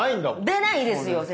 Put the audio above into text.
出ないですよ先生。